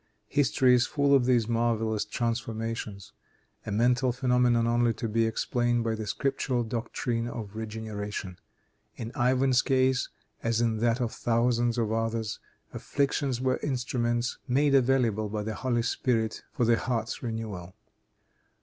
History is full of these marvelous transformations a mental phenomenon only to be explained by the scriptural doctrine of regeneration. In Ivan's case, as in that of thousands of others, afflictions were instruments made available by the Holy Spirit for the heart's renewal.